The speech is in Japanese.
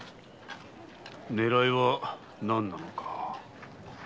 狙いは何なのか。